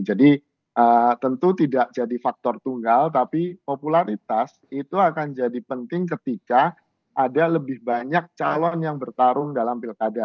jadi tentu tidak jadi faktor tunggal tapi popularitas itu akan jadi penting ketika ada lebih banyak calon yang bertarung dalam pilkada